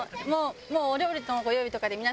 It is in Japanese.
もうお料理のご用意とかで皆さん。